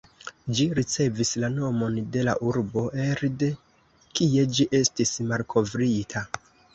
Ĝi ricevis la nomon de la urbo elde kie ĝi estis malkovrita.